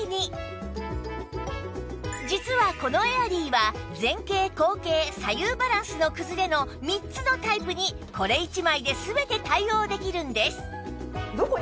実はこのエアリーは前傾後傾左右バランスの崩れの３つのタイプにこれ１枚で全て対応できるんです